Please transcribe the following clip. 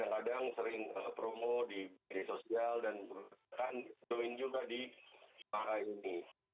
dan memang kadang kadang sering promo di media sosial dan berikan join juga di channel ini